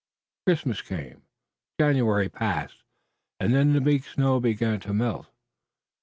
Christmas came, January passed and then the big snow began to melt.